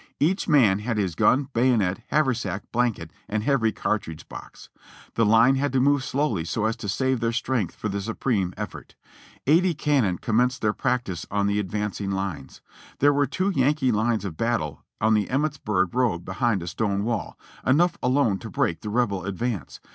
Each man had his gun, bayonet, haversack, blanket, and heavy cartridge box. The line had to move slowly so as to save their strength for the supreme effort. Eighty cannon commenced their prac tice on the advancing lines. There were two Yankee lines of battle on the Emmitsburg road behind a stone wall; enough alone to break the Rebel advance.